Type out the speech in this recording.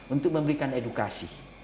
untuk memberikan edukasi